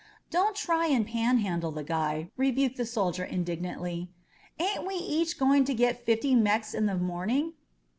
"Don't try and panhandle the guy !*' rebuked the sol dier indignantly. "Ain't we each going to get fifty Mex in the morning?"